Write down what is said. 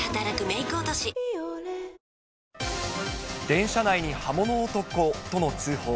電車内に刃物男との通報。